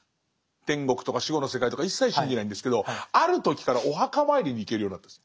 天国とか死後の世界とか一切信じないんですけどある時からお墓参りに行けるようになったんです。